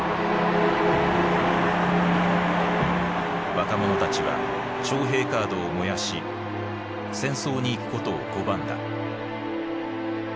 若者たちは徴兵カードを燃やし戦争に行くことを拒んだ。